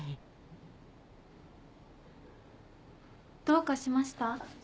どうかしました？